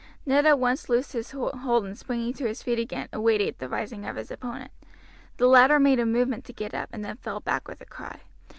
Ned at once loosened his hold, and springing to his feet again, awaited the rising of his opponent. The latter made a movement to get up, and then fell back with a cry.